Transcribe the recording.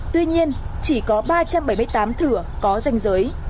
tuy nhiên chỉ có ba trăm bảy mươi tám thửa có danh giới